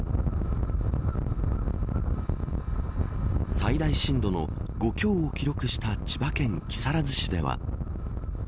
最大震度の５強を記録した千葉県木更津市では。